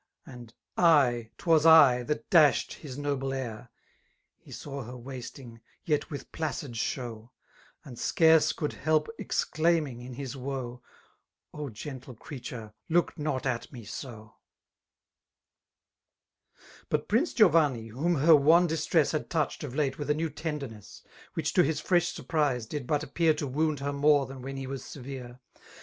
And I, 'twas I, that dashed bis noble air 1" 9Q He WW her waitiag, y«t wHb piaoid «]iew; And scaioe owld hdp CKclaimiag io bis woe^ *' O gentle creature, look not at me so !" But Prince Giovanni^ whom her wan distress Hod touched, of late, with a new tenderness^ Which to his f vesh surprise did but appear To wound her more tium when he was severs.